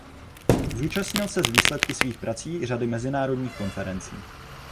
Zúčastnil se s výsledky svých prací řady mezinárodních konferencí.